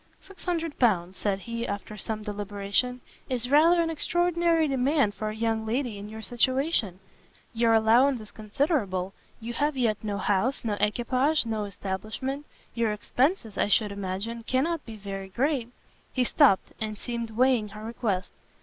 "Six hundred pounds," said he, after some deliberation, "is rather an extraordinary demand for a young lady in your situation; your allowance is considerable, you have yet no house, no equipage, no establishment; your expences, I should imagine, cannot be very great " He stopt, and seemed weighing her request.